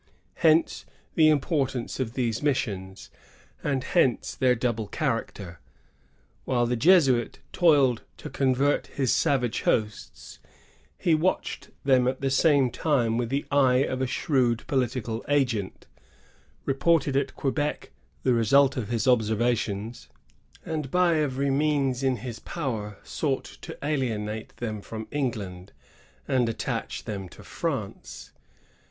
Hence the importance of these missions, and hence their double character. While the Jesuit toiled to convert his savage hosts, he watched them at the same time with the eye of a shrewd political agent; reported at Quebec the result of his observa tions, and by every means in his power sought to alienate them from England, and attach them to France.